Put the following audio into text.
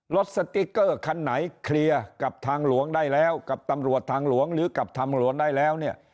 สติ๊กเกอร์คันไหนเคลียร์กับทางหลวงได้แล้วกับตำรวจทางหลวงหรือกับทางหลวงได้แล้วเนี่ย